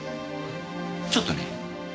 ちょっとね。